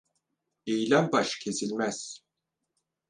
Eğilen baş kesilmez.